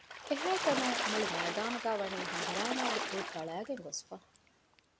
އެހައިތަނުން މުޅިމައިދާނުގައިވަނީ ހަނގުރާމައިގެ ހުޅުފަޅައިގެން ގޮސްފަ